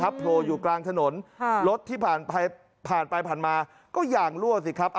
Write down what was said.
โผล่อยู่กลางถนนรถที่ผ่านไปมาก็ยางรั่วสิครับ